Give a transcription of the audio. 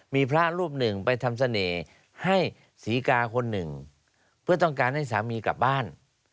มีพระรูปหนึ่งไปทำเสน่ห์ให้ศรีกาคนหนึ่งเพื่อต้องการให้สามีกลับบ้าน